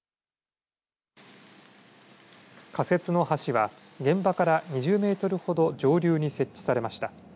仮設の橋は現場から２０メートルほど上流に設置されました。